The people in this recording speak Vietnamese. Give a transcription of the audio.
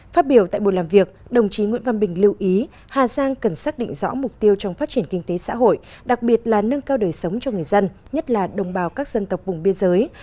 phát biểu tại buổi làm việc đồng chí nguyễn văn bình lưu ý hà giang cần xác định rõ mục tiêu trong phát triển kinh tế xã hội đặc biệt là nâng cao đời sống cho người dân nhất là đồng bào các dân tộc vùng biên giới